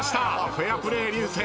フェアプレー流星。